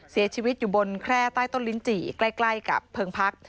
เสียชีวิตอยู่บนแคร่ใต้ต้นลิ้นจี่ใกล้กับเพิงพัก